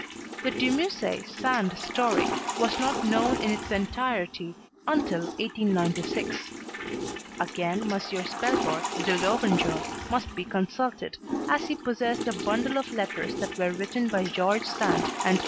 The De Musset Sand story was not known in its entirety until 1896. Again M. Spelboerch de Lovenjoul must be consulted, as he possessed a bundle of letters that were written by George Sand and M.